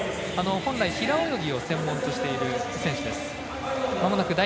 本来、平泳ぎを得意としている選手です。